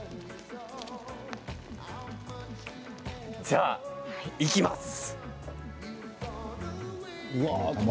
じゃあ、いきます！